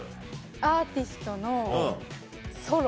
アーティストのソロ。